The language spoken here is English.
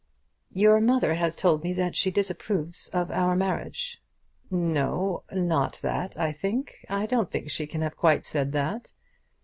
"Your mother has told me that she disapproves of our marriage." "No; not that, I think. I don't think she can have quite said that."